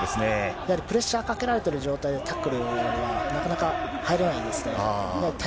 やはりプレッシャーかけられている状態でタックルには、なかなか入れないですね。